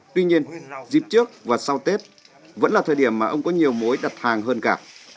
tuy nhiên dịp trước và sau tết vẫn là thời điểm mà ông có nhiều mối đặt hàng hơn cả